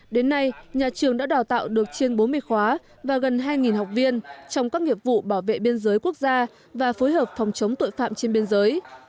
đến nay nhà trường đã đào tạo được trên bốn mươi khóa và gần hai học viên trong các nghiệp vụ bảo vệ biên giới quốc gia và phối hợp phòng chống tội phạm trên biên giới